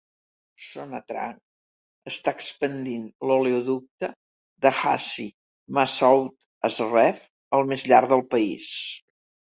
Sonatrach està expandint l'oleoducte de Hassi Messaoud-Azrew, el més llarg del país.